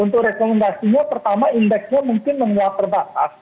untuk rekomendasinya pertama indeksnya mungkin menguat terbatas